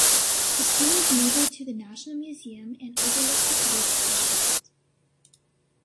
The school is neighbor to the National Museum and overlooks the city of Ashgabat.